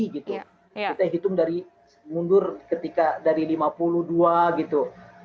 kita hitung dari mundur ketika dari lima puluh dua gitu